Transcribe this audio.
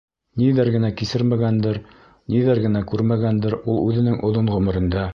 Ниҙәр генә кисермәгәндер, ниҙәр генә күрмәгәндер ул үҙенең оҙон ғүмерендә?